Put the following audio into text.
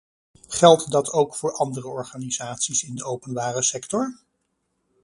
Geldt dat ook voor andere organisaties in de openbare sector?